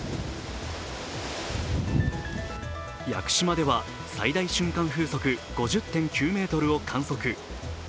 屋久島では最大瞬間風速５０．９メートルを観測。